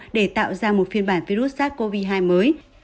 để tạo ra một phiên bản virus sars cov hai mới